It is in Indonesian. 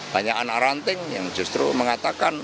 banyak anak ranting yang justru mengatakan